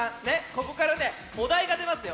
ここからねおだいがでますよ。